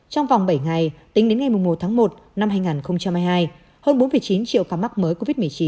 trong vòng bảy ngày tính đến ngày một tháng một năm hai nghìn hai mươi hai hơn bốn chín triệu ca mắc mới covid một mươi chín